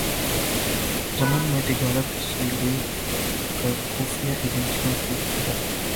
ضمن میں تجارت سے لے کرخفیہ ایجنسیوں کے کردار